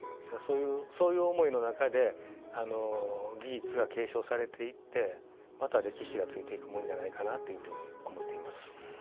そういう思いの中で技術が継承されていってまた歴史がついていくもんじゃないかなっていうふうに思っています。